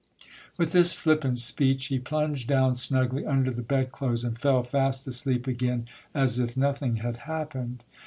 With this flippant speech he plunged down snugly under the bed clothes and fell fast asleep again as if nothing had happened.